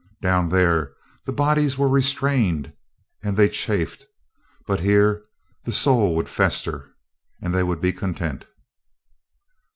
Down there, the bodies were restrained, and they chafed; but here the soul would fester, and they would be content.